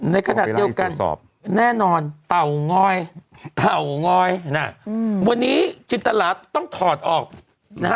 ในขณะเดียวกันแน่นอนเตางอยเต่างอยน่ะวันนี้จินตลาดต้องถอดออกนะฮะ